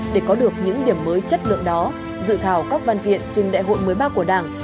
để có được những điểm mới chất lượng đó dự thảo các văn kiện trình đại hội một mươi ba của đảng